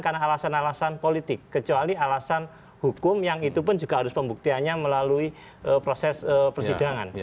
karena alasan alasan politik kecuali alasan hukum yang itu pun juga harus pembuktiannya melalui proses persidangan